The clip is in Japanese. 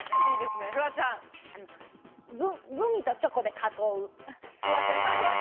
グミとチョコで囲う。